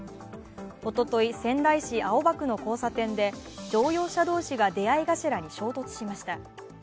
おととい仙台市青葉区の交差点で乗用車同士が出会い頭に衝突しました。